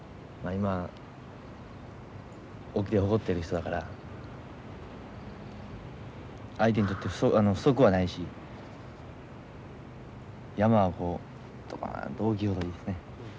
今隠岐でほこってる人だから相手にとって不足はないし山はこうドカンと大きいほどいいですね。